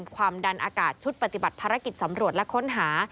ความดันอากาศชุดปฏิบัติภารกิจสำรวจและค้นหา